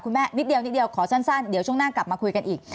คุณแม่ค่ะคุณแม่นิดเดียวขอสั้นเดี๋ยวช่วงหน้ากลับมาคุยกันอีก